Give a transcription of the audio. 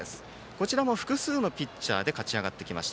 こちらも複数のピッチャーで勝ち上がってきました。